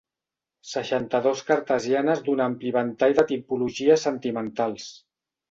Seixanta-dos cartesianes d'un ampli ventall de tipologies sentimentals.